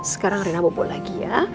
sekarang rena bobo lagi ya